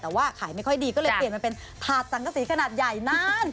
แต่ว่าขายไม่ค่อยดีก็เลยเปลี่ยนมาเป็นถาดสังกษีขนาดใหญ่นาน